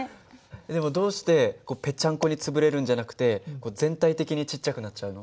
でもどうしてペチャンコに潰れるんじゃなくて全体的にちっちゃくなっちゃうの？